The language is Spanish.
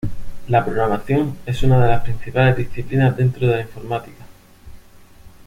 La programación es una de las principales disciplinas dentro de la informática.